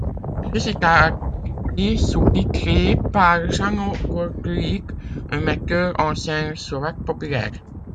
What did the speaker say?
Risitas a été sous-titré par Jano Gordulic, un metteur en scène slovaque populaire.